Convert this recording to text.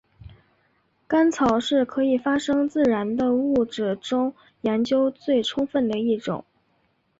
干草是可以发生自燃的物质中研究最充分的一种。